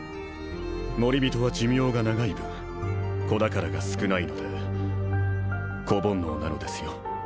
モリビトは寿命が長い分子宝が少ないので子煩悩なのですよ。